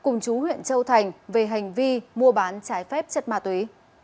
nguyện châu thành về hành vi mua bán trái phép chất ma túy